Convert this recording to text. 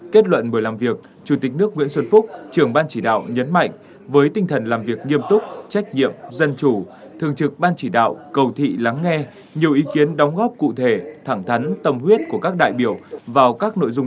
kết luận buổi làm việc chủ tịch nước nguyễn xuân phúc trưởng ban chỉ đạo nhấn mạnh với tinh thần làm việc nghiêm túc trách nhiệm dân chủ thường trực ban chỉ đạo cầu thị lắng nghe nhiều ý kiến đóng góp cụ thể thẳng thắn tâm huyết của các đại biểu vào các nội dung